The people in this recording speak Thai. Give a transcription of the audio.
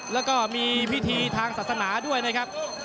แล้วก็มีพิธีทางศาสนาด้วยนะครับ